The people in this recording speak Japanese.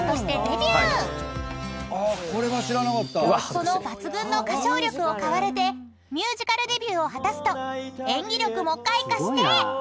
［その抜群の歌唱力を買われてミュージカルデビューを果たすと演技力も開花して］